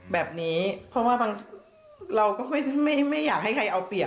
แบบนี้เพราะว่าบางเราก็ไม่อยากให้ใครเอาเปรียบ